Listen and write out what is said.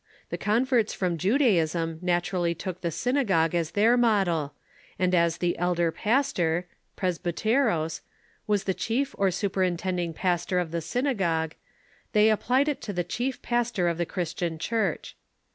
The converts from Judaism naturally took the synagogue as their model, and as the elder pastor (2)7'esbi(teros) was the chief or superintending pastor of the synagogue, they applied it to the chief pastor of the Chris tian Church.